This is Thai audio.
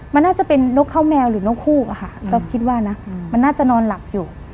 มันน่าจะเป็นนกข้าวแมวหรือนกฮูกอะค่ะก็คิดว่านะมันน่าจะนอนหลับอยู่